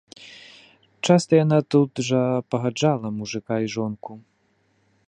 Часта яна тут жа пагаджала мужыка і жонку.